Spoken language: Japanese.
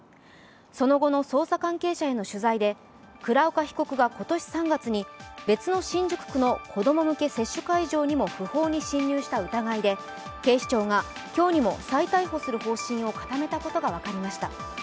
その後の捜査関係者への取材で倉岡被告が今年３月に別の新宿区の子供向け接種会場にも不法に侵入した疑いで、警視庁が今日にも再逮捕する方針を固めたことが分かりました。